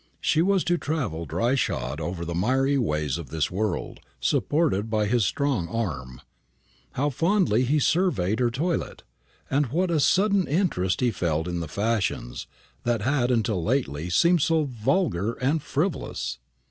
She was to travel dry shod over the miry ways of this world, supported by his strong arm. How fondly he surveyed her toilet! and what a sudden interest he felt in the fashions, that had until lately seemed so vulgar and frivolous!